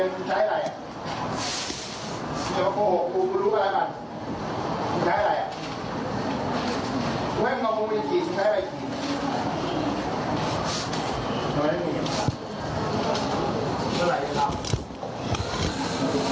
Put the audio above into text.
ไม่ได้ตอบมากมายนาซิ